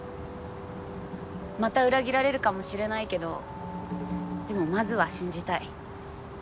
また裏切られるかもしれないけどでもまずは信じたい。